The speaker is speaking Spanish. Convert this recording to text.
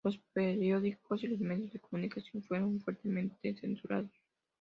Los periódicos y los medios de comunicación fueron fuertemente censurados.